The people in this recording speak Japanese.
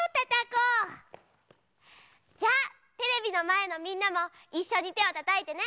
じゃあテレビのまえのみんなもいっしょにてをたたいてね！